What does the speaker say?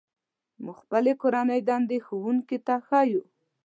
موږ خپلې کورنۍ دندې ښوونکي ته ښيو.